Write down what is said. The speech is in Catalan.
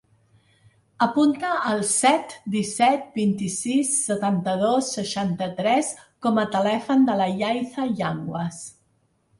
Apunta el set, disset, vint-i-sis, setanta-dos, seixanta-tres com a telèfon de la Yaiza Yanguas.